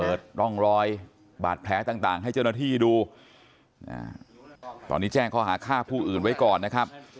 ร่องรอยบาดแผลต่างให้เจ้าหน้าที่ดูตอนนี้แจ้งข้อหาฆ่าผู้อื่นไว้ก่อนนะครับ